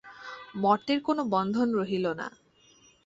মর্তের কোনো বন্ধন রহিল না।